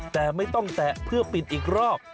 แต่ไม่ต้องแตะเพื่อปิดอีกรอบ